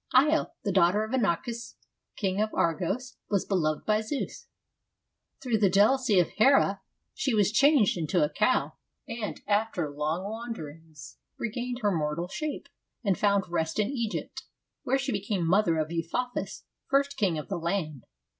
Io, the daughter of Inachus, king of Argos, was beloved by Zeus : through the jealousy of Hera she was changed into a cow, and after long wanderings regained her mortal shape and found rest in Egypt, where she became mother of Epaphus, first king of the land.